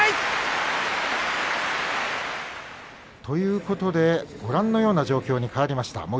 ということでご覧のような状況に変わりました。